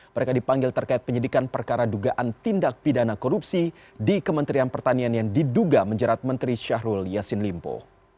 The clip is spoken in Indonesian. mereka dipanggil terkait penyidikan perkara dugaan tindak pidana korupsi di kementerian pertanian yang diduga menjerat menteri syahrul yassin limpo